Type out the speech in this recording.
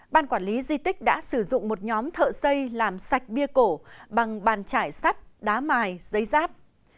ban quản lý di tích đã sử dụng một nhóm thợ xây làm sạch bia cổ bằng bàn chải sắt đá mài giấy ráp